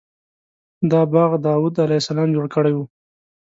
دا باغ داود علیه السلام جوړ کړی و.